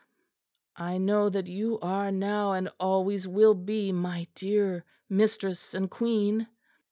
"I know that you are now and always will be my dear mistress and queen."